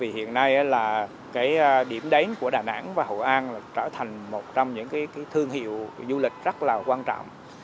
hiện nay điểm đến của đà nẵng và hội an trở thành một trong những thương hiệu du lịch rất là quan trọng